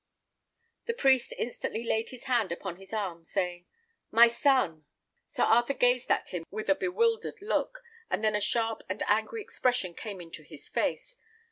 The priest instantly laid his hand upon his arm, saying, "My son!" Sir Arthur gazed at him with a bewildered look, and then a sharp and angry expression came into his face.